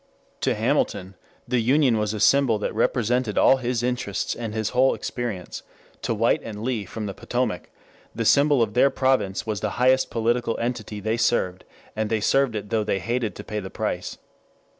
To Hamilton the Union was a symbol that represented all his interests and his whole experience; to White and Lee from the Potomac, the symbol of their province was the highest political entity they served, and they served it though they hated to pay the price.